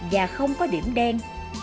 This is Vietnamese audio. và không có điểm đen